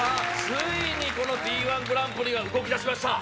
ついにこのＤ−１グランプリが動きだしました！